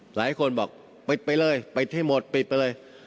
หลายคนบอกไปไปเลยไปทั้งหมดไปไปเลย